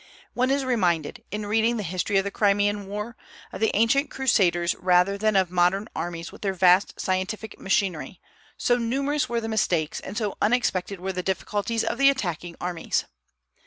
One is reminded, in reading the history of the Crimean war, of the ancient crusaders rather than of modern armies with their vast scientific machinery, so numerous were the mistakes, and so unexpected were the difficulties of the attacking armies.